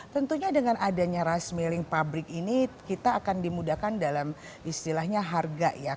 tentunya dengan adanya rice milling pabrik ini kita akan dimudahkan dalam istilahnya harga ya